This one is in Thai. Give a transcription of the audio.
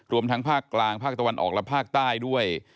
รวมทั้งภาคกลางภาคตะวันออกและภาคใต้ด้วย